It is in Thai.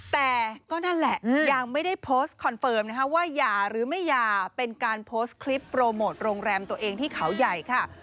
แต่ก็นั่นแหละยังไม่ได้โพสต์คอนเฟิร์มนะคะว่าหย่าหรือไม่หย่าเป็นการโพสต์คลิปโปรโมทโรงแรมตัวเองที่เขาใหญ่ค่ะ